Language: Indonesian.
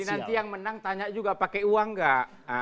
jadi nanti yang menang tanya juga pakai uang gak